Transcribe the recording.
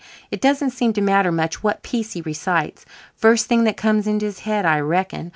It doesn't seem to matter much what piece he recites first thing that comes into his head, I reckon.